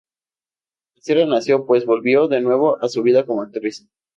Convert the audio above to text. Así renació, pues volvió de nuevo a su vida como actriz.